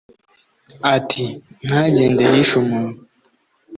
Ati : Ntagende yishe umuntu.